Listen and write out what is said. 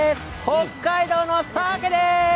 北海道のさけです。